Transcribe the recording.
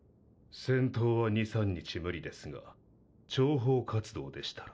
・戦闘は２３日無理ですが諜報活動でしたら。